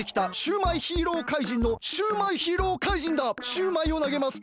シューマイをなげます！